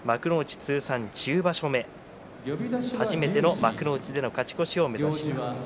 通算１０場所目初めての幕内での勝ち越しを目指します。